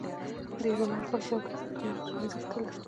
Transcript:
دې ژورنال شپږ ځله د غوره ژورنال جایزه ګټلې ده.